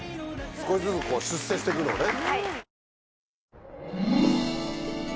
少しずつ出世して行くのね。